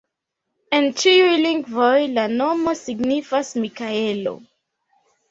En ĉiuj lingvoj la nomo signifas Mikaelo.